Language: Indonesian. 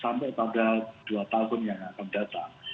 sampai pada dua tahun yang akan datang